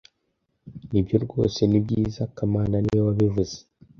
Nibyo rwose ni byiza kamana niwe wabivuze